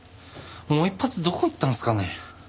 もう１発どこ行ったんすかね？